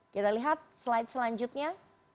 kita lihat slide selanjutnya